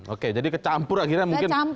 oke jadi kecampur akhirnya mungkin